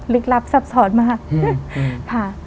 ลึกลับซับสอนมากค่ะ